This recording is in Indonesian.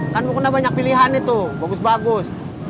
kan udah banyak pilihan itu bagus bagus